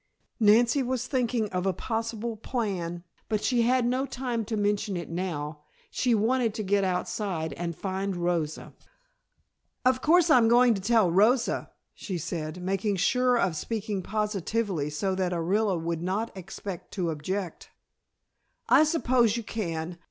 Nancy was thinking of a possible plan, but she had no time to mention it now. She wanted to get outside and find Rosa. "Of course I'm going to tell Rosa," she said, making sure of speaking positively so that Orilla would not expect to object. "I suppose you can.